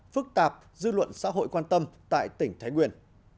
phức tạp dư luận xã hội quan tâm tại tỉnh thái nguyên